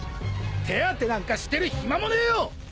手当てなんかしてる暇もねえよ！